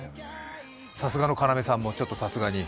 さすがの要さんもちょっとさすがに？